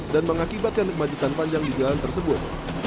dan mengakibatkan kemajukan panjang di jalan tersebut